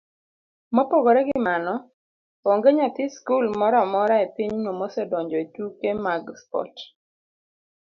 Mopogore gi mano, onge nyathi skul moro amora epinyno mosedonjo etuke mag spot,